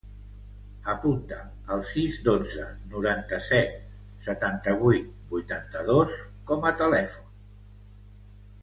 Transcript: Apunta el sis, dotze, noranta-set, setanta-vuit, vuitanta-dos com a telèfon de la Valentina Eraso.